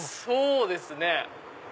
そうですね。